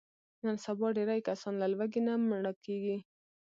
نن سبا ډېری کسان له لوږې نه مړه کېږي.